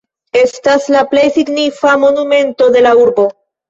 Estas la plej signifa monumento de la urbo.